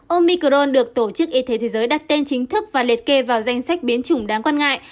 omicron được tổ chức y tế thế giới đặt tên chính thức và liệt kê vào danh sách biến chủng đáng quan ngại